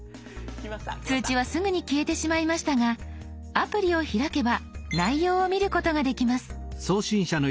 通知はすぐに消えてしまいましたがアプリを開けば内容を見ることができます。